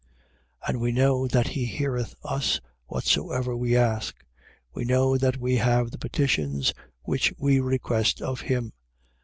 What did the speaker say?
5:15. And we know that he heareth us whatsoever we ask: we know that we have the petitions which we request of him.